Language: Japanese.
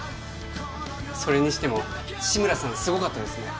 それにしても志村さんすごかったですね